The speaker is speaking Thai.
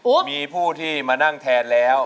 เพื่อจะไปชิงรางวัลเงินล้าน